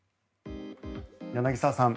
柳澤さん